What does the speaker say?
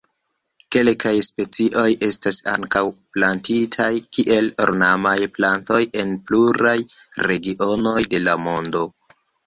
Kelkaj specioj estas ankaŭ plantitaj kiel ornamaj plantoj en pluraj regionoj de la mondo.